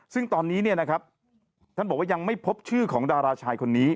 ซึ่งตอนนี้ท่านบอกว่ายังไม่พบชื่อของดาราชายคนนี้